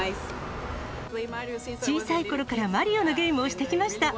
小さいころからマリオのゲームをしてきました。